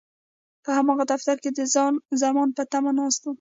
په هماغه دفتر کې د خان زمان په تمه ناست وم.